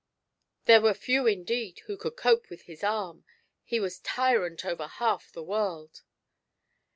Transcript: There were few indeed who could cope with his arm, he was tyrant over half the world.